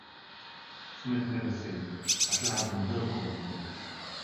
Smith later said: "I should have been the gold medalist".